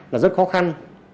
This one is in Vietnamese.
là rất khó khăn